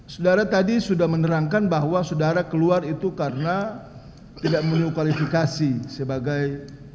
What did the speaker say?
sudara tadi sudah menerangkan bahwa sudara keluar itu karena tidak menuju kualifikasi sebagai seorang pesatuan